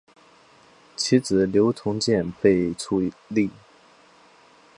其子刘从谏被拥立。